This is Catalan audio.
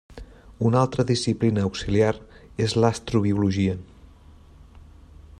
Una altra disciplina auxiliar és l'astrobiologia.